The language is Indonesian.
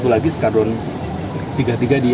satu lagi skadron tiga puluh tiga di